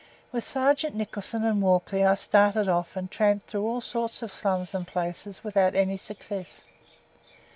With Sergeant Nickson and Walkley I started off and tramped through all sorts of slums and places, without any success.